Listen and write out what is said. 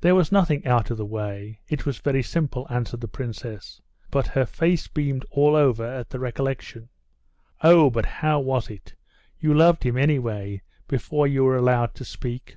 "There was nothing out of the way, it was very simple," answered the princess, but her face beamed all over at the recollection. "Oh, but how was it? You loved him, anyway, before you were allowed to speak?"